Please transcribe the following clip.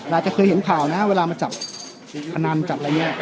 เราจะเคยเห็นข่าวนะเวลามาจับอันนั้นจับอะไรเนี่ย